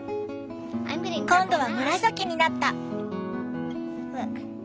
今度は紫になった！